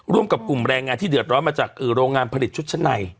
ร่วมกับกลุ่มแรงงานที่เดือดร้อนมาจากโรงงานผลิตชุดชั้นใน